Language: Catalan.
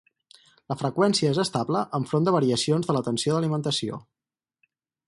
La freqüència és estable enfront de variacions de la tensió d'alimentació.